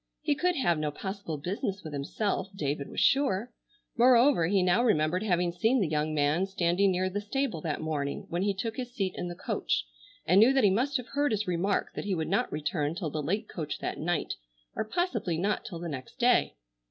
He could have no possible business with himself, David was sure; moreover he now remembered having seen the young man standing near the stable that morning when he took his seat in the coach, and knew that he must have heard his remark that he would not return till the late coach that night, or possibly not till the next day.